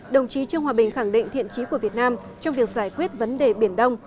đồng chí trương hòa bình khẳng định thiện trí của việt nam trong việc giải quyết vấn đề biển đông